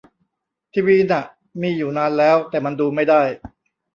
ทีวีน่ะมีอยู่นานแล้ว แต่มันดูไม่ได้